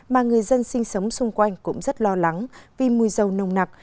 mà người dân sinh sống xung quanh cũng rất lo lắng vì mùi dâu nồng nặc